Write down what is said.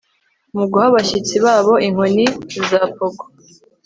muguha abashyitsi babo inkoni za pogo